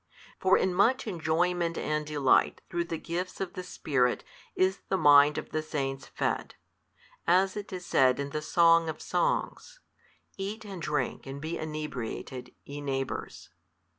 For in much enjoyment and delight through the gifts of the Spirit is the mind of the Saints fed, as it is said in the Song of Songs, Eat and drink and he inebriated, ye neighbours.